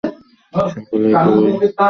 সকলেই তো ঐ এক কথাই বলে।